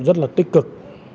rất là tích cực